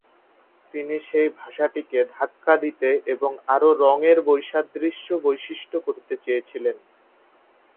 তিনি সেই ভাষাটিকে "ধাক্কা" দিতে এবং আরও রঙের বৈসাদৃশ্য বৈশিষ্ট্য করতে চেয়েছিলেন।